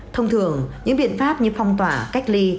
thông thường những biện pháp như phong tỏa cách ly